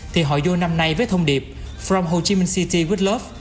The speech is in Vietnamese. thì hồi vô năm nay với thông điệp from ho chi minh city with love